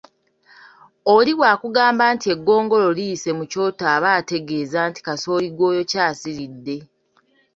Oli bwakugamba nti eggongolo liyise mu kyoto aba ategeeza nti kasooli gw’oyokya asiridde